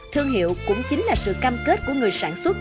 thương hiệu cũng chính là sự cam kết của người sản xuất